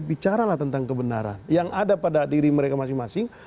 bicaralah tentang kebenaran yang ada pada diri mereka masing masing